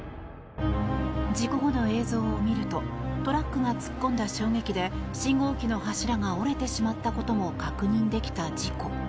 事故後の映像を見るとトラックが突っ込んだ衝撃で信号機の柱が折れてしまったことも確認できた事故。